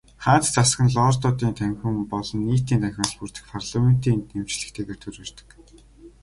Хаант засаг нь Лордуудын танхим болон Нийтийн танхимаас бүрдэх парламентын дэмжлэгтэйгээр төр барьдаг.